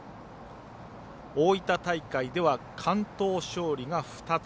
大分大会では完投勝利が２つ。